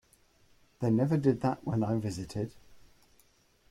They never did that when I visited.